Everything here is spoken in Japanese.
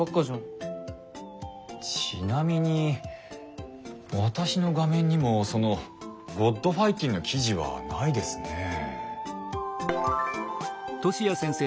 ちなみに私の画面にもその「ｇｏｄファイティン」の記事はないですね。